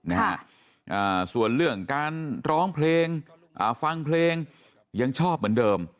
นะฮะอ่าส่วนเรื่องการร้องเพลงอ่าฟังเพลงยังชอบเหมือนเดิม